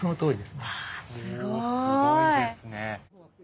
すごいですね。